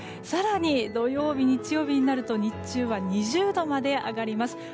更に、土曜日、日曜日になると日中は２０度まで上がります。